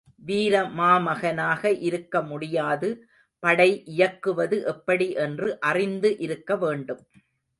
வீர மாமகனாக இருக்க முடியாது படை இயக்குவது எப்படி என்று அறிந்து இருக்க வேண்டும்.